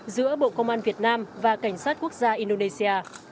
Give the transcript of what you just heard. giữa bộ công an việt nam và cảnh sát quốc gia indonesia